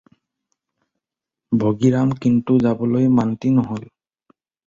ভগীৰাম কিন্তু যাবলৈ মান্তি নহ'ল।